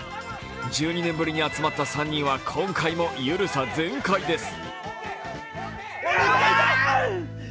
１２年ぶりに集まった３人は今回もゆるさ全開です。